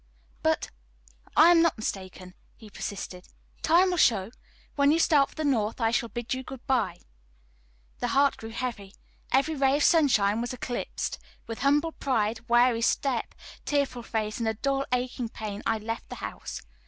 "But I am not mistaken," he persisted. "Time will show. When you start for the North I shall bid you good by." The heart grew heavy. Every ray of sunshine was eclipsed. With humbled pride, weary step, tearful face, and a dull, aching pain, I left the house.